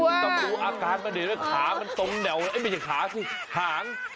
ต้องดูอาการไปเลยขามันตรงแนวเอ๊ะไม่ใช่ขาสิหาง